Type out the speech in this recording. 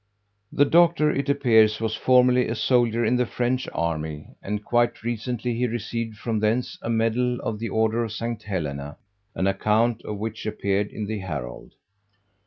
The Doctor, it appears, was formerly a soldier in the French Army, and quite recently he received from thence a medal of the order of St. Helena, an account of which appeared in the Herald.